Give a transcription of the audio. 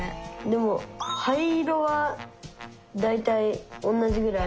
でも灰色はだいたい同じぐらい？